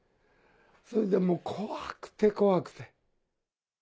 それでもう怖くて怖くて。